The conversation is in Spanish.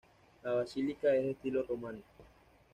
La basílica es de estilo románico.